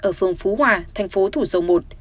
ở phương phú hòa thành phố thủ dông một